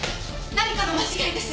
何かの間違いです！！